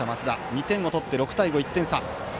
２点を取って６対５、１点差。